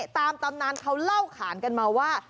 ตามตำนานเขาเล่าขานกันมาว่า